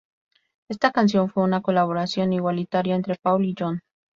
Esta canción fue una colaboración igualitaria entre Paul y John.